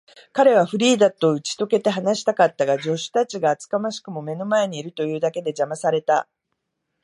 彼はフリーダとうちとけて話したかったが、助手たちが厚かましくも目の前にいるというだけで、じゃまされた。